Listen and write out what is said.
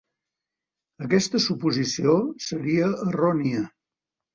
Aquesta suposició seria errònia.